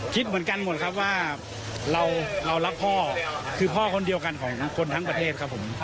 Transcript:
คิดเหมือนกันหมดครับว่าเรารักพ่อคือพ่อคนเดียวกันของคนทั้งประเทศครับผม